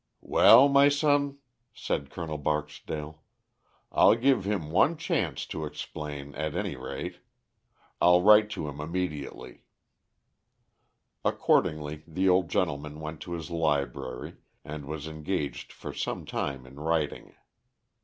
"Well, my son," said Col. Barksdale, "I'll give him one chance to explain at any rate. I'll write to him immediately." Accordingly the old gentleman went to his library and was engaged for some time in writing.